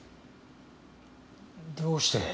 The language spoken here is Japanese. どうして。